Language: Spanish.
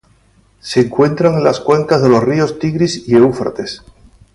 Se encuentran en las cuencas de los ríos Tigris y Éufrates.